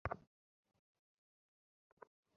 অন্যান্য সময়ে উহারা ঐভাবে বল প্রকাশ করে না।